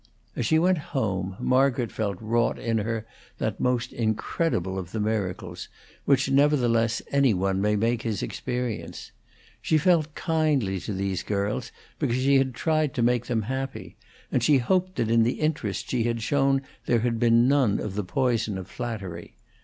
As she went home Margaret felt wrought in her that most incredible of the miracles, which, nevertheless, any one may make his experience. She felt kindly to these girls because she had tried to make them happy, and she hoped that in the interest she had shown there had been none of the poison of flattery.